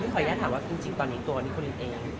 ขออนุญาตถามว่าจริงตอนนี้ตัวนิโคลินเอง